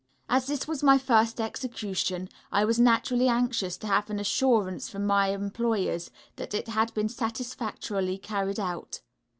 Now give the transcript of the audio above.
As this was my first execution, I was naturally anxious to have an assurance from my employers that it had been satisfactorily carried out.